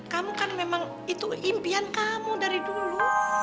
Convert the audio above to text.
kamu kan memang itu impian kamu dari dulu